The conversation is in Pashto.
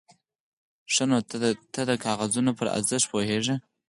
_ښه، نو ته د کاغذونو په ارزښت پوهېږې؟